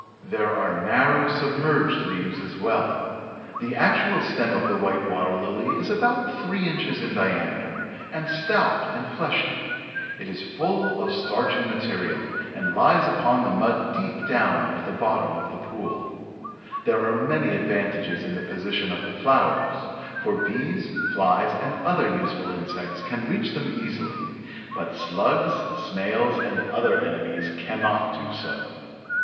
There are narrow submerged leaves as well. The actual stem of the White Water lily is about three inches in diameter, and stout and fleshy. It is full of starchy material, and lies upon the mud deep down at the bottom of the pond. There are many advantages in the position of the flowers, for bees, flies, and other useful insects can reach them easily, but slugs, snails, and other enemies cannot do so.